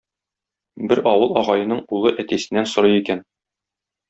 Бер авыл агаеның улы әтисеннән сорый икән